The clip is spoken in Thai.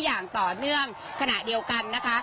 อย่างต่อเนื่องขณะเดียวกันนะคะ